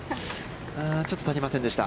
ちょっと乗りませんでした。